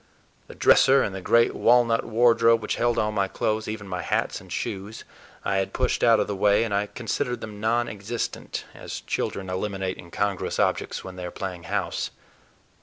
The dresser, and the great walnut wardrobe which held all my clothes, even my hats and shoes, I had pushed out of the way, and I considered them non existent, as children eliminate incongruous objects when they are playing house.